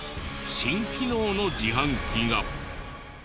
新機能の自販機が。